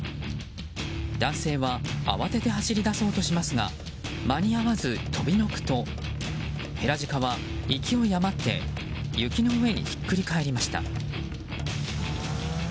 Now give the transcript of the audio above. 男性は慌てて走り出そうとしますが間に合わず、飛び退くとヘラジカは勢い余って雪の上にひっくり返りました。